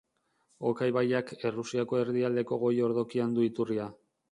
Oka ibaiak Errusiako erdialdeko goi-ordokian du iturria.